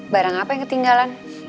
barang apa yang ketinggalan